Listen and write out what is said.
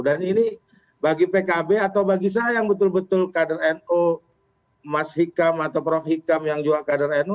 dan ini bagi pkb atau bagi saya yang betul betul kader no mas hikam atau prof hikam yang juga kader no